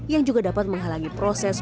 yang juga dapat menghalangi proses